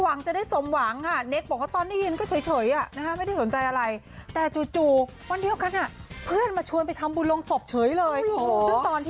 ตามติดติดมาด้วยละครอีกหนึ่งเรื่อง